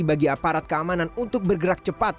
bagi aparat keamanan untuk bergerak cepat